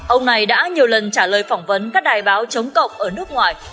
ông này đã nhiều lần trả lời phỏng vấn các đài báo chống cộng ở nước ngoài